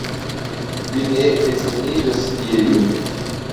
Vi ne edziniĝos je li?